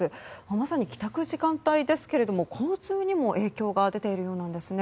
まさに帰宅時間帯ですけれども交通にも影響が出ているようなんですね。